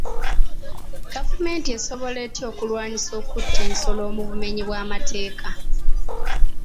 Gavumenti esobola etya okulwanyisa okutta ensolo mu bumenyi bw'amateeka?